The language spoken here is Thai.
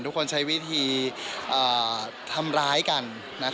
ทุกคนใช้วิธีทำร้ายกัน